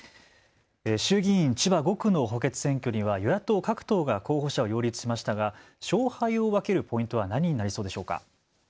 衆議院千葉５区の補欠選挙には与野党各党が候補者を擁立しましたが勝敗を分けるポイントは何になりそうでしょうか。